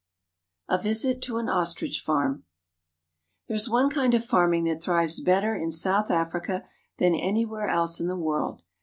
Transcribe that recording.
A VISIT TO AN OSTRICH FARM THERE is one kind of farming that thrives better in South Africa than anywhere else in the world.